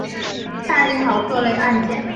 办理好各类案件